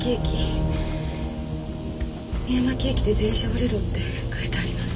三山木駅で電車を降りろって書いてあります。